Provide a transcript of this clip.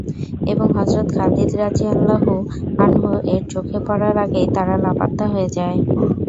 এবং হযরত খালিদ রাযিয়াল্লাহু আনহু-এর চোখে পড়ার আগেই তারা লাপাত্তা হয়ে যায়।